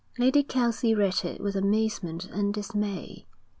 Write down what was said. Lady Kelsey read it with amazement and dismay.